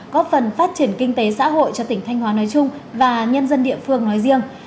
góp phần phát triển kinh tế xã hội cho tỉnh thanh hóa nói chung và nhân dân địa phương nói riêng